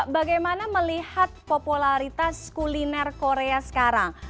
bagaimana melihat popularitas kuliner korea sekarang